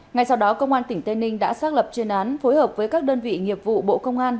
ngay sau đó công an tỉnh tây ninh đã xác lập chuyên án phối hợp với các đơn vị nghiệp vụ bộ công an